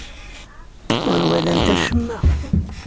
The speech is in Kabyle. Ur walant acemma.